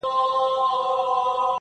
پر څنگه بلا واوښتې جاناناه سرگردانه,